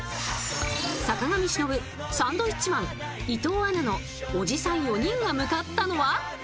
坂上忍、サンドウィッチマン伊藤アナのおじさん４人が向かったのは。